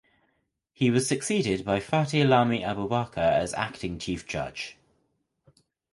He was succeeded by Fati Lami Abubakar as acting chief judge.